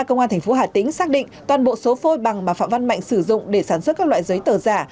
mở rộng điều tra công an tp hà tĩnh xác định toàn bộ số phôi bằng mà phạm văn mạnh sử dụng để sản xuất các loại giấy tờ giả